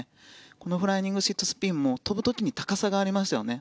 このフライングシットスピンも跳ぶ時に高さがありましたよね。